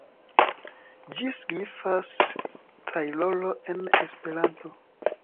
Ĝi signifas tajloro en Esperanto.